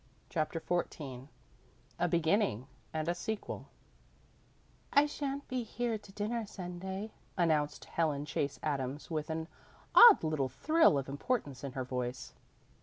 CHAPTER XIV A BEGINNING AND A SEQUEL "I shan't be here to dinner Sunday," announced Helen Chase Adams with an odd little thrill of importance in her voice.